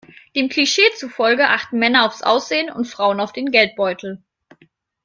Dem Klischee zufolge achten Männer aufs Aussehen und Frauen auf den Geldbeutel.